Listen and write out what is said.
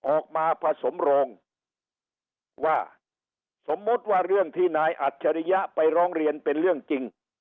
ออกมาผสมโรงว่าสมมุติว่าเรื่องที่นายอัจฉริยะไปร้องเรียนเป็นเรื่องจริง